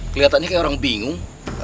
keliatannya kayak orang bingung